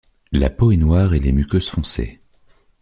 La peau est noire et les muqueuses foncées.